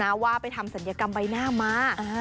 ว่าไปทำศัลยกรรมใบหน้ามา